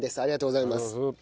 ありがとうございます。